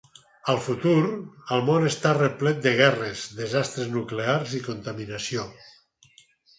Al futur, el món està replet de guerres, desastres nuclears i contaminació.